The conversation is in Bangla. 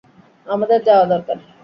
আমাদের যাওয়া দরকার।